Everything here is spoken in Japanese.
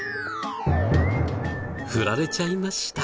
フラれちゃいました。